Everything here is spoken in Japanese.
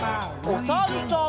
おさるさん。